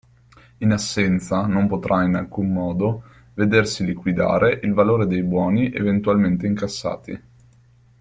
In assenza, non potrà, in alcun modo, vedersi liquidare il valore dei buoni eventualmente incassati.